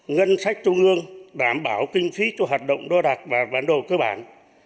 ngân sách trung ương đảm bảo kinh phí cho hoạt động đo đạc và bản đồ cơ bản